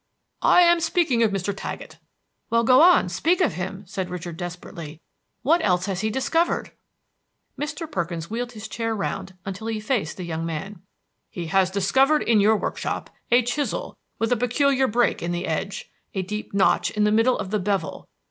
"I am speaking of Mr. Taggett." "Well, go on, speak of him," said Richard desperately. "What else has he discovered?" Mr. Perkins wheeled his chair round until he faced the young man. "He has discovered in your workshop a chisel with a peculiar break in the edge, a deep notch in the middle of the bevel.